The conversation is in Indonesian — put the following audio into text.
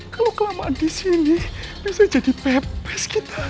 kalau kelamaan disini bisa jadi pepes kita